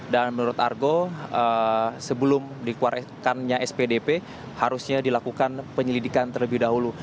menurut argo sebelum dikeluarkannya spdp harusnya dilakukan penyelidikan terlebih dahulu